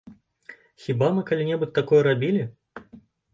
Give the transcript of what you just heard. Хіба мы калі-небудзь такое рабілі?